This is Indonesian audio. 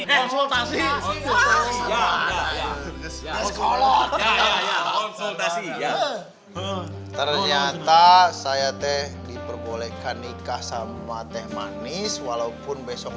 konsultasi konsultasi ya ternyata saya teh diperbolehkan nikah sama teh manis walaupun besok